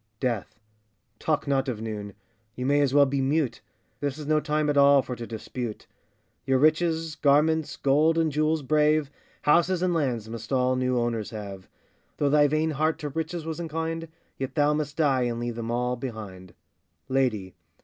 DEATH. Talk not of noon! you may as well be mute; This is no time at all for to dispute: Your riches, garments, gold, and jewels brave, Houses and lands must all new owners have; Though thy vain heart to riches was inclined, Yet thou must die and leave them all behind. LADY.